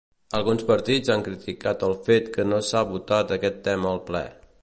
Alguns partits han criticat el fet que no s'ha votat aquest tema al ple.